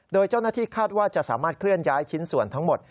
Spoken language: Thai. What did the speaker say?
โดยเจ้าหน้าที่คาดว่าจะสามารถเคลื่อนย้ายชิ้นส่วนทั้งหมด